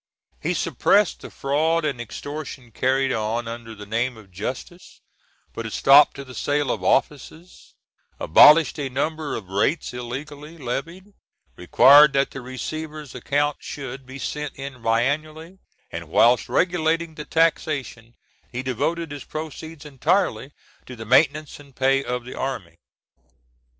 He suppressed the fraud and extortion carried on under the name of justice, put a stop to the sale of offices, abolished a number of rates illegally levied, required that the receivers' accounts should be sent in biennially, and whilst regulating the taxation, he devoted its proceeds entirely to the maintenance and pay of the army.